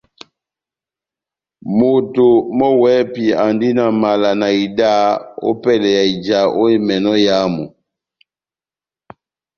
Moto mɔ́ wɛ́hɛ́pi andi na mala na ida ópɛlɛ ya ija ó emɛnɔ éyamu.